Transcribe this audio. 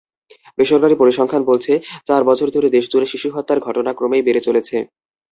বেসরকারি পরিসংখ্যান বলছে, চার বছর ধরে দেশজুড়ে শিশুহত্যার ঘটনা ক্রমেই বেড়ে চলেছে।